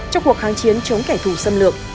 trong cuộc kháng chiến chống kẻ thù xâm lược